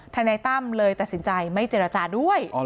นายตั้มเลยตัดสินใจไม่เจรจาด้วย